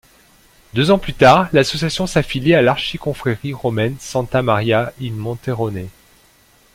Deux ans plus tard, l'association s'affilie à l'archiconfrérie romaine Santa Maria in Monterone.